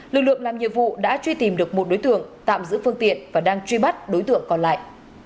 lực lượng làm nhiệm vụ đã truy tìm được một đối tượng tạm giữ phương tiện và đang truy bắt đối tượng còn lại